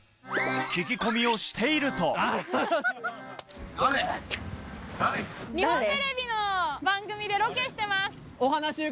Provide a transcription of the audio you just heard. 聞き込みをしていると日本テレビの番組でロケしてます。